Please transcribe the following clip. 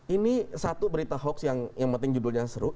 ini satu berita hoax yang penting judulnya seru